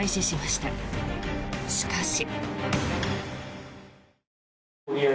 しかし。